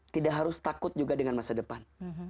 tidak harus takut juga dengan masa depan